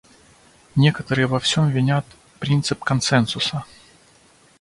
Некоторые во всем винят принцип консенсуса.